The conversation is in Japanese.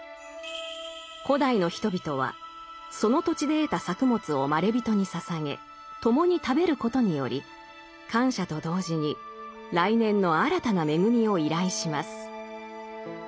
古代の人々はその土地で得た作物をまれびとに捧げ共に食べることにより感謝と同時に来年の新たな恵みを依頼します。